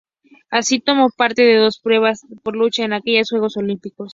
Así, tomó parte en dos pruebas de lucha en aquellos Juegos Olímpicos.